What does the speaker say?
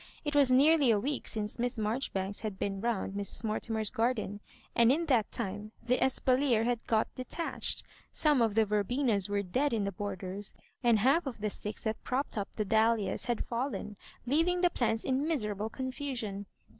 It was nearly a week since Miss Mar joribanks had been round Mrg. Mortimer's garden, and in that time the espalier had got detached, some of the verbenas were dead in the borders, and the half of the sticks that propped up the dahlias had fallen, leaving the plants in miserable confusion.